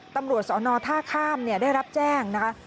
ตำรวจสอนอท่าข้ามได้รับแจ้งนะคะ